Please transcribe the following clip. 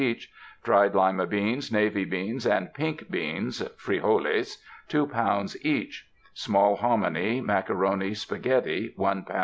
each Dried Lima Beans, Navy Beans and Pink Beans ( Frijoles) 2 lbs. each Small Hominy, Macaroni, Spaghetti 1 lb.